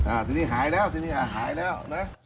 อ่าทีนี้หายแล้ว